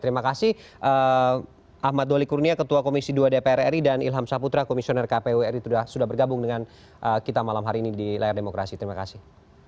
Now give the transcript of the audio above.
terima kasih ahmad doli kurnia ketua komisi dua dpr ri dan ilham saputra komisioner kpu ri sudah bergabung dengan kita malam hari ini di layar demokrasi terima kasih